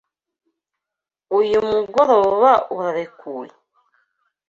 Uyu mugoroba urarekuwe?